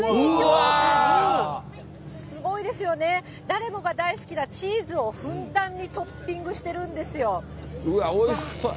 すごいですよね、誰もが大好きなチーズをふんだんにトッピングしうわ、おいしそうやな。